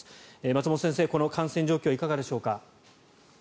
松本先生、この感染状況いかがでしょうか。